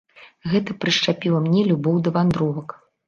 Гэта прышчапіла мне любоў да вандровак.